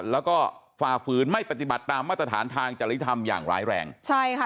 แล้วก็ฝ่าฝืนไม่ปฏิบัติตามมาตรฐานทางจริยธรรมอย่างร้ายแรงใช่ค่ะ